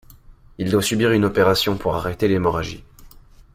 Il doit subir une opération pour arrêter l'hémorragie.